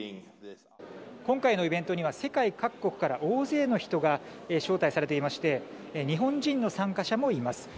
今回のイベントには世界各国から大勢の人が招待されていまして日本人の参加者もいます。